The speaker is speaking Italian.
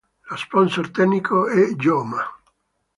Lo sponsor tecnico è Joma.